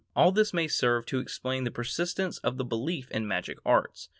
All this may serve to explain the persistence of the belief in magic arts.